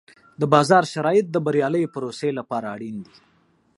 د بازار شرایط د بریالۍ پروسې لپاره اړین دي.